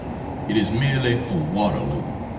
It is merely a Waterloo.